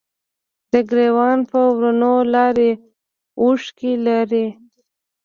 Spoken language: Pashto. د ګریوان په ورونو لارې، اوښکې لارې